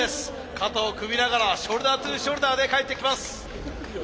肩を組みながらショルダートゥショルダーで帰ってきます。